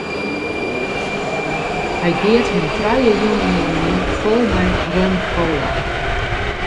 Hy geat him trije jûnen oanien fol mei rum-kola.